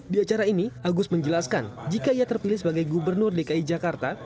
di acara ini agus menjelaskan jika ia terpilih sebagai gubernur dki jakarta